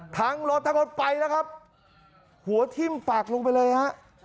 ทั้งรถทั้งรถไปแล้วครับหัวทิ่มปากลงไปเลยฮะ